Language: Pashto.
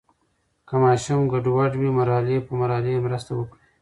که ماشوم ګډوډ وي، مرحلې په مرحله یې مرسته وکړئ.